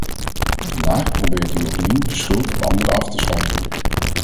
Vandaag probeert u opnieuw de schuld op anderen af te schuiven.